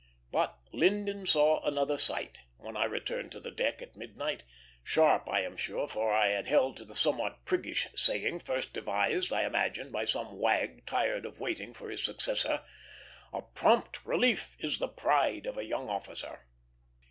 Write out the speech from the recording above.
But "Linden saw another sight," when I returned to the deck at midnight; sharp, I am sure, for I held to the somewhat priggish saying, first devised, I imagine, by some wag tired of waiting for his successor, "A prompt relief is the pride of a young officer."